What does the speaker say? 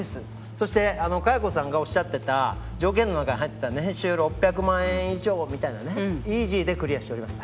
そして佳代子さんがおっしゃってた条件の中に入ってた年収６００万円以上みたいなねイージーでクリアしております。